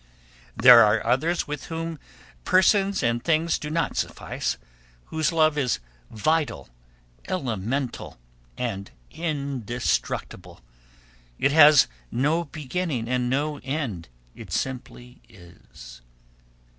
There are others with whom persons and things do not suffice, whose love is vital, elemental, and indestructible. It has no beginning and no end; it simply is.